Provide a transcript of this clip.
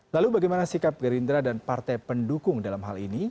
lalu bagaimana sikap gerindra dan partai pendukung dalam hal ini